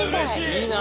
いいな。